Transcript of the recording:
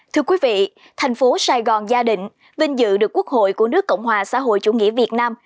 thưa quý vị thành phố sài gòn gia đình vinh dự được quốc hội của nước cộng hòa xã hội chủ nghĩa việt nam